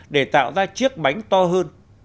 để tạo ra chiếc bánh to hơn